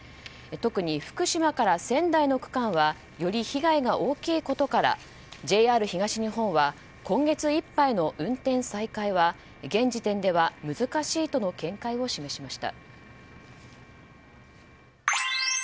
特に福島から仙台の区間はより被害が大きいことからＪＲ東日本は今月いっぱいの運転再開は現時点では難しいとの見解を示しました。